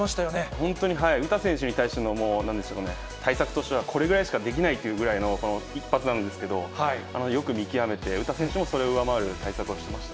本当に、詩選手に対しての、なんでしょうかね、対策としては、これぐらいしかできないっていうぐらいの一発なんですけど、よく見極めて、詩選手もそれを上回る対策をしてました。